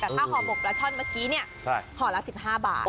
แต่ถ้าห่อหมกปลาช่อนเมื่อกี้เนี่ยห่อละ๑๕บาท